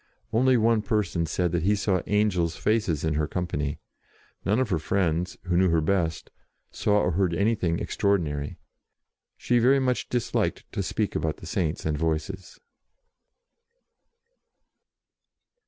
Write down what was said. Only one person said that he saw angels' faces in her company ; none of her friends who knew her best saw or heard anything extraordinary. She very much disliked to speak about the Saints and Voices.